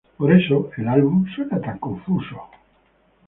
Por eso, el álbum suena tan confuso.